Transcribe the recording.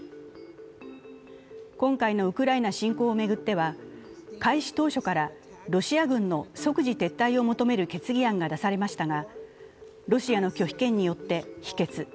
今回のウクライナ侵攻を巡っては開始当初からロシア軍の即時撤退を求める決議案が出されましたがロシアの拒否権によって否決。